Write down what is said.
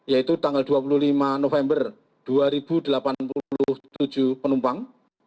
yaitu tanggal dua puluh lima november dua ribu delapan puluh tujuh penumpang